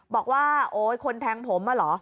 บอกว่าโอ๊ยคนแทงผมอะเหรอ